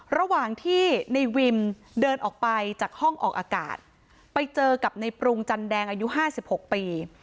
ระหว่างที่ในวิมเดินออกไปจากห้องออกอากาศไปเจอกับในปรุงจันแดงอายุ๕๖ปี